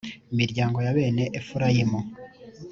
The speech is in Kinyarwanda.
miryango ya bene efurayimu